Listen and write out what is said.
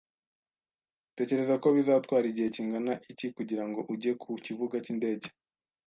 Utekereza ko bizatwara igihe kingana iki kugira ngo ujye ku kibuga cy'indege?